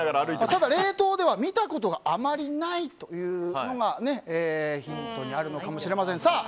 ただ、冷凍では見たことがあまりないというのがヒントにあるのかもしれません。